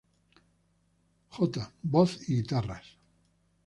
J: voz y guitarras.